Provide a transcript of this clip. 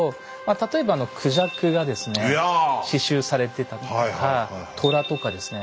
例えばクジャクがですね刺しゅうされてたりとか虎とかですね。